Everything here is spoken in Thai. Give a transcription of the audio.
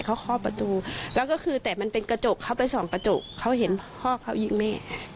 เขาเคาะประตูแล้วก็คือแต่มันเป็นกระจกเขาไปสองกระจกเขาเห็นพ่อเขายิงแม่